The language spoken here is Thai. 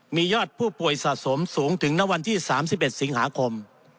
มียอดผู้ป่วยสะสมสูงถึงณวันที่๓๑สิงหาคม